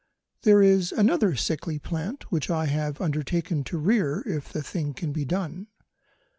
There is another sickly plant, which I have undertaken to rear if the thing can be done.